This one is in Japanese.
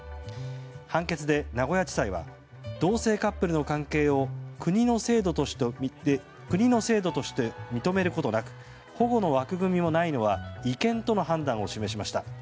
判決で名古屋地裁は同性カップルの関係を国の制度として認めることなく保護の枠組みもないのは違憲との判断を示しました。